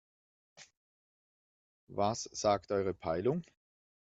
Was sagt eure Peilung?